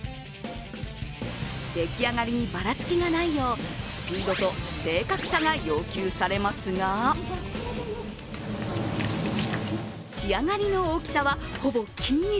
できあがりにばらつきがないよう、スピードと正確さが要求されますが仕上がりの大きさはほぼ均一。